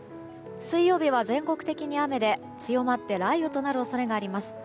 水曜日は全国的に雨で、強まって雷雨となる恐れがあります。